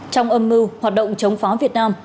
trong âm mưu hoạt động chống phá việt nam